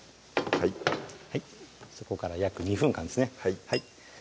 はいそこから約２分間ですね